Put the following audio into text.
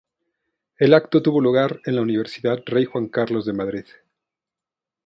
El acto tuvo lugar en la Universidad Rey Juan Carlos de Madrid.